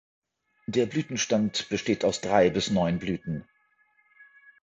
Der Blütenstand besteht aus drei bis neun Blüten.